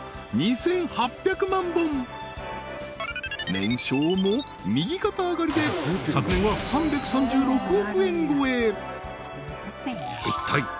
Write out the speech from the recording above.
年商も右肩上がりで昨年は３３６億円超え